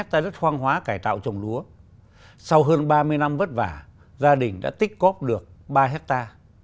sau hơn ba mươi năm vất vả gia đình đã tích cốp được ba ha